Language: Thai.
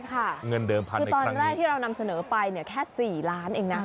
ตอนแรกที่เรานำเสนอไปแค่๔ล้านเงินครับ